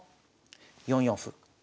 ４四歩。